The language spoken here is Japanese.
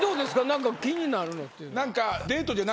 何か気になるのっていうのは。